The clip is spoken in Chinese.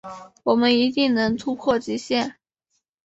我们一定能突破极限